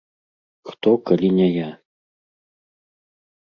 Хто, калі не я?